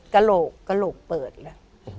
กระโหลกเปิดแล้ว